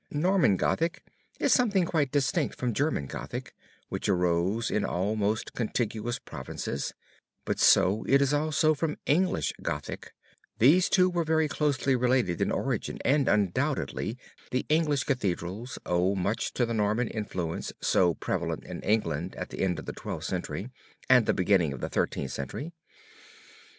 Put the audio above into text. Norman Gothic is something quite distinct from German Gothic which arose in almost contiguous provinces, but so it is also from English Gothic; these two were very closely related in origin and undoubtedly the English Cathedrals owe much to the Norman influence so prevalent in England at the end of the Twelfth Century, and the beginning of the Thirteenth Century.